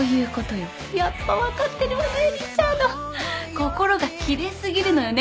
心が奇麗すぎるのよね